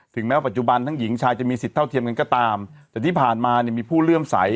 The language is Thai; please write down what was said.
แม้ปัจจุบันทั้งหญิงชายจะมีสิทธิ์เท่าเทียมกันก็ตามแต่ที่ผ่านมาเนี่ยมีผู้เลื่อมใส